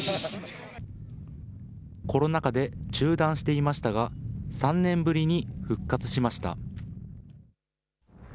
コロナ禍で中断していましたが、３年ぶりに復活しました。